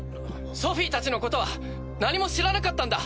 ソフィたちのことは何も知らなかったんだ。